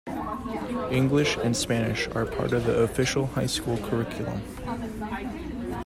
English and Spanish are part of the official high school curriculum.